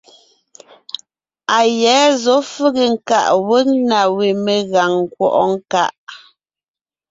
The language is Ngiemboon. A yɛ̌ zɔ̌ fege nkaʼ wég na we megàŋ nkwɔ́ʼɔ nkaʼ.